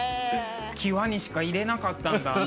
際にしかいれなかったんだあの。